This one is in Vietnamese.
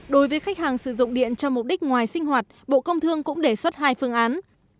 đối với khách hàng sử dụng điện cho mục đích ngoài sinh hoạt bộ công thương cũng đề xuất hai phương án